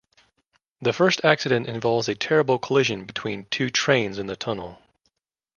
The first accident involves a terrible collision between two trains in the tunnel.